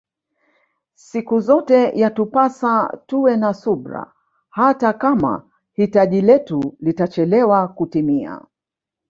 Siku zote yatupasa tuwe na subira hata Kama hitaji letu litachelewa kutimia